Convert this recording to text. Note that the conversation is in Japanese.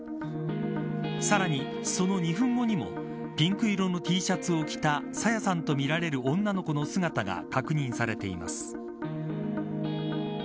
さらに、その２分後にもピンク色のＴシャツを着た朝芽さんとみられる女の子の姿が確認されています。